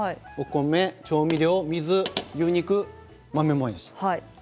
お米、調味料水、牛肉、豆もやし